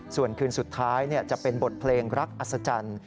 ส่วนคืนสุดท้ายจะเป็นบทเพลงรักอัศจรรย์